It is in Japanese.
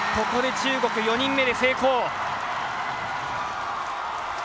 ここで中国、４人目で成功。